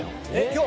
今日？